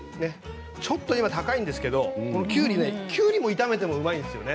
ちょっと今、高いんですけれどきゅうりも炒めてもうまいんですよね。